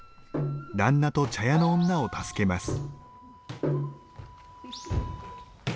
旦那と茶屋の女を助けます。